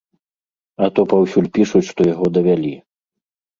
А то паўсюль пішуць, што яго давялі!